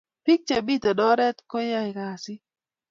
Pik che miten oret ko yai kasit